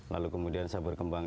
lalu kemudian saya berkembang